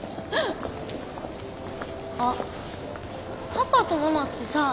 あっパパとママってさ